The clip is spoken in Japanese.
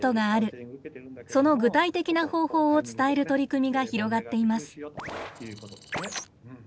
その具体的な方法を伝える取り組みが広がっています。